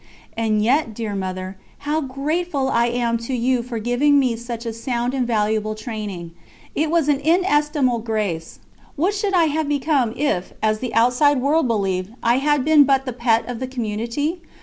And yet, dear Mother, how grateful I am to you for giving me such a sound and valuable training. It was an inestimable grace. What should I have become, if, as the world outside believed, I had been but the pet of the Community?